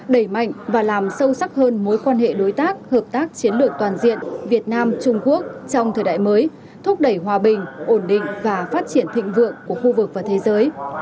đẩy mạnh và làm sâu sắc hơn mối quan hệ đối tác hợp tác chiến lược toàn diện việt nam trung quốc trong thời đại mới thúc đẩy hòa bình ổn định và phát triển thịnh vượng của khu vực và thế giới